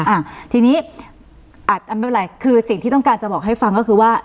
อ่าทีนี้ไม่เป็นไรคือสิ่งที่ต้องการจะบอกให้ฟังก็คือว่า